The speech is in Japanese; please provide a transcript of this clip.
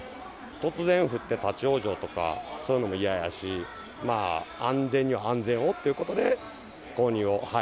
突然降って立ち往生とか、そういうのも嫌やし、安全には安全をということで、購入を。